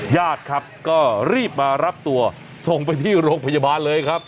ญาติครับก็รีบมารับตัวส่งไปที่โรงพยาบาลเลยครับ